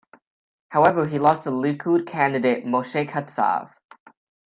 However, he lost to Likud candidate Moshe Katsav.